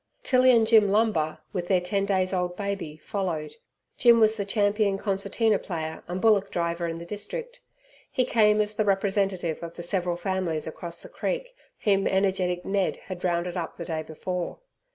Tilly and Jim Lumber, with their ten days old baby, followed. Jim was the champion concertina player and bullock driver in the district. He came as the representative of the several families across the creek, whom energetic Ned had rounded up the day before.